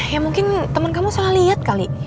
ya mungkin temen kamu salah lihat kali